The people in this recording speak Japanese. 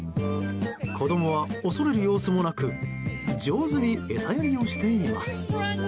子供は恐れる様子もなく上手に餌やりをしています。